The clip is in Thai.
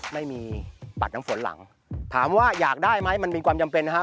ไม่มีปัดน้ำฝนหลังถามว่าอยากได้ไหมมันเป็นความจำเป็นนะฮะ